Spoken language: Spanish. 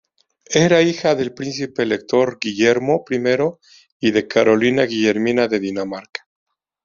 Era hijo del príncipe elector Guillermo I y de Carolina Guillermina de Dinamarca.